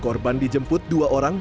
korban dijemput dua orang